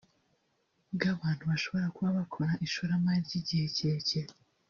bw’abantu bashobora kuba bakora ishoramari ry’igihe kirekire